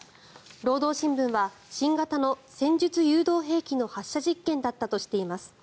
労働新聞は新型の戦術誘導兵器の発射実験だったとしています。